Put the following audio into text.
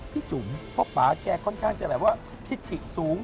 จุ๋มเพราะป่าแกค่อนข้างจะแบบว่าทิศถิสูง